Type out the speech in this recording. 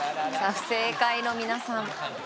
不正解の皆さん